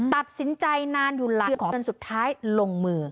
ตัดสินใจนานอยู่หลังจนสุดท้ายลงมือ